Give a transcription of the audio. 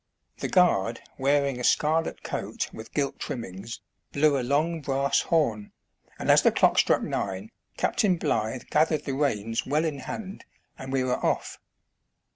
The guard, wearing a scarlet coat with gilt trimmings, STAGE COACHING IN ENGLAND. 49 blew a long brass horn, and as the clock struck nine, Captain Blythe gathered the reins well in hand, and we were off.